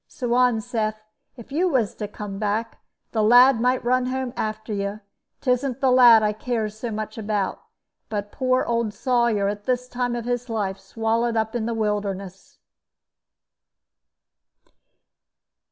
Suan saith, if you was to come back, the lad might run home after you. 'Tisn't the lad I cares about so much, but poor old Sawyer, at his time of life, swallowed up in the wilderness."